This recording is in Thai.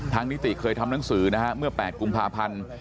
นิติเคยทำหนังสือนะฮะเมื่อ๘กุมภาพันธ์